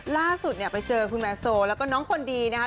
ล่าสุดเนี่ยไปเจอคุณแมนโซแล้วก็น้องคนดีนะครับ